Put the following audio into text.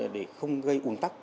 để không gây uống tắc